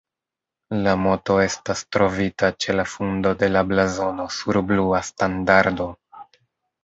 La moto estas trovita ĉe la fundo de la blazono sur blua standardo.